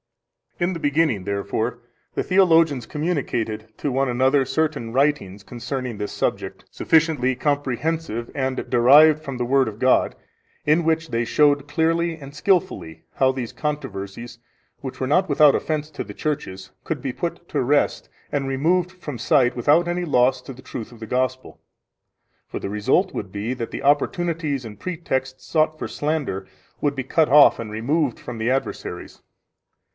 10 In the beginning, therefore, the theologians communicated to one another certain writings concerning this subject, sufficiently comprehensive, and derived from the Word of God, in which they showed clearly and skilfully how these controversies, which were not without offense to the churches, could be put to rest and removed from sight without any loss to the truth of the Gospel; for the result would be that the opportunities and pretexts sought for slander would be cut off and removed from the adversaries.